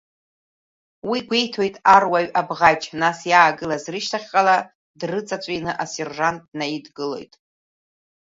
Уи гәеиҭоит аруаҩ Абӷаџь, нас иаагылаз рышьҭахьҟала дрыҵаҵәины, асержант днаидгылоит.